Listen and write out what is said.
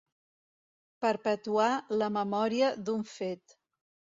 Perpetuar la memòria d'un fet.